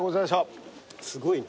すごいな。